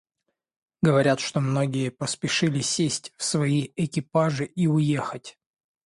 Говорят, что многие поспешили сесть в свои экипажи и уехать.